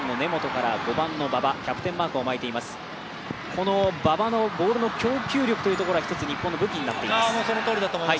この馬場のボールの供給力というのは一つ、日本の武器になっています。